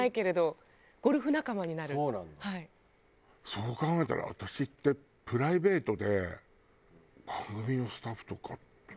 そう考えたら私ってプライベートで番組のスタッフとかって。